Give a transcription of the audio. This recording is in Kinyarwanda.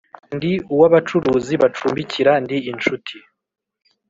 Ndi uw'abacuruzi bacumbikira Ndi inshuti